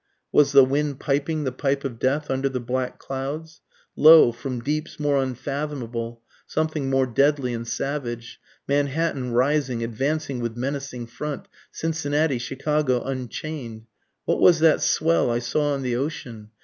Was the wind piping the pipe of death under the black clouds? Lo! from deeps more unfathomable, something more deadly and savage, Manhattan rising, advancing with menacing front Cincinnati, Chicago, unchain'd; What was that swell I saw on the ocean?